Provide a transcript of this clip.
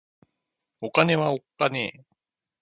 お金はおっかねぇ